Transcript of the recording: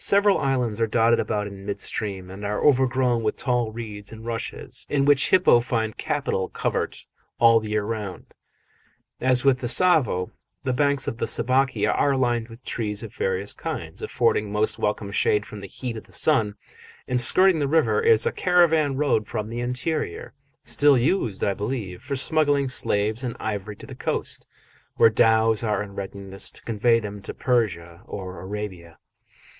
Several islands are dotted about in mid stream and are overgrown with tall reeds and rushes, in which hippo find capital covert all the year round. As with the Tsavo, the banks of the Sabaki are lined with trees of various kinds, affording most welcome shade from the heat of the sun: and skirting the river is a caravan road from the interior still used, I believe, for smuggling slaves and ivory to the coast, where dhows are in readiness to convey them to Persia or Arabia.